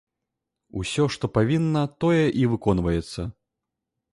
Усё, што павінна, тое і выконваецца.